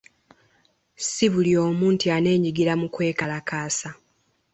Si buli omu nti aneenyigira mu kwekalakaasa.